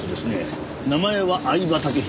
名前は饗庭丈弘。